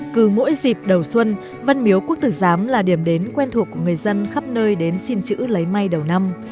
cứ mỗi dịp đầu xuân văn miếu quốc tử giám là điểm đến quen thuộc của người dân khắp nơi đến xin chữ lấy may đầu năm